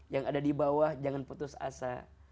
yang ada di bawah jangan putus asa